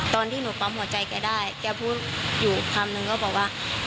ตอนที่หนูปั๊มหัวใจแกได้แกพูดอยู่คำนึงก็บอกว่า